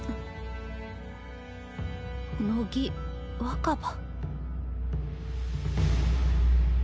「乃木若葉」。